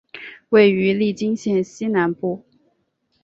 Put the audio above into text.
位于利津县西南部。